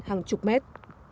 hàng chục mét